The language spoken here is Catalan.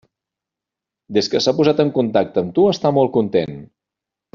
Des que s'ha posat en contacte amb tu està molt content.